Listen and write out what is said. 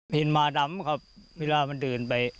เห็นหมาดำครับเวลามันดื่นไป